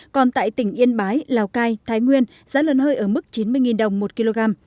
còn tại tỉnh yên bái lào cai thái nguyên giá lợn hơi ở mức chín mươi đồng một kg